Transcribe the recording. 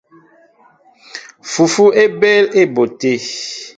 Fufu é ɓéél á éɓóʼ te.